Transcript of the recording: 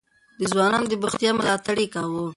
د ځوانانو د بوختيا ملاتړ يې کاوه.